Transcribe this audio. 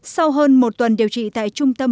sau hơn một tuần điều trị tại trung quốc